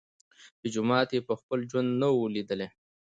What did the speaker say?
چي جومات یې په خپل ژوند نه وو لیدلی